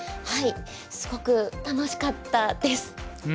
はいすごく楽しかったです。